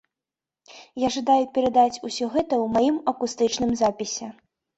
Я жадаю перадаць усё гэта ў маім акустычным запісе.